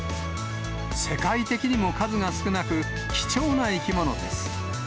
世界的にも数が少なく、貴重な生き物です。